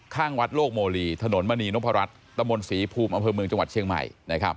ข้างวัดโลกโมลีถนนมณีนพรัชตะมนต์ศรีภูมิอำเภอเมืองจังหวัดเชียงใหม่